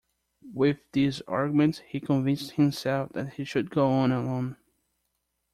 With these arguments he convinced himself that he should go on alone.